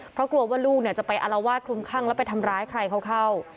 เพราะกลัวว่าลูกจะไปอารวาสคลุมคลั่งแล้วไปทำร้ายใครเข้า